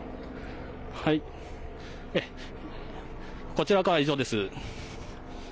こちらからは以上です。